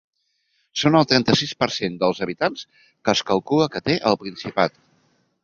Són el trenta-sis per cent dels habitants que es calcula que té el Principat.